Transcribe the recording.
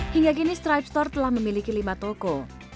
hingga kini stripe store telah memiliki lima toko